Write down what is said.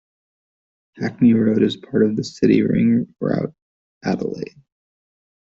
Hackney Road is part of the City Ring Route, Adelaide.